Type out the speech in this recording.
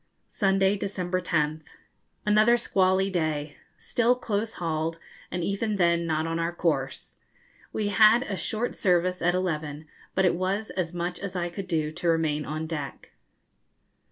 Sunday, December 10th. Another squally day. Still close hauled, and even then not on our course. We had a short service at eleven, but it was as much as I could do to remain on deck.